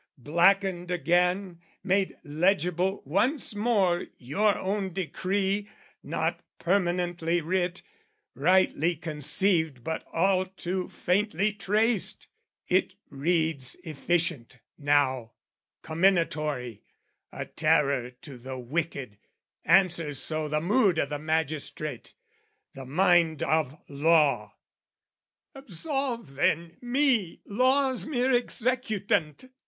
Blackened again, made legible once more Your own decree, not permanently writ, Rightly conceived but all too faintly traced, It reads efficient, now, comminatory, A terror to the wicked, answers so The mood o' the magistrate, the mind of law. Absolve, then, me, law's mere executant!